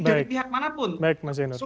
dari pihak manapun baik mas zainul